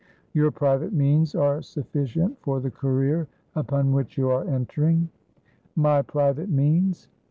Your private means are sufficient for the career upon which you are entering?" "My private means?"